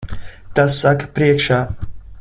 Tas saka priekšā.